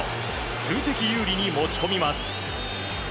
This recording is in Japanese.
数的有利に持ち込みます。